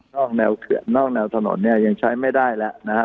แนวเขื่อนนอกแนวถนนเนี่ยยังใช้ไม่ได้แล้วนะฮะ